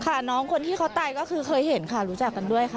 น้องคนที่เขาตายก็คือเคยเห็นค่ะรู้จักกันด้วยค่ะ